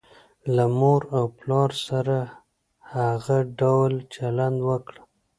له مور او پلار سره هغه ډول چلند وکړه.